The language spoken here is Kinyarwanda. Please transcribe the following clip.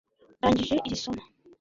ndangije iri somo